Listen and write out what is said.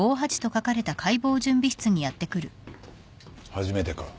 初めてか？